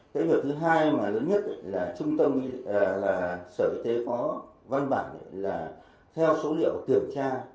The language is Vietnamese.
cái điều thứ hai mà lớn nhất là sở y tế có văn bản là theo số liệu kiểm tra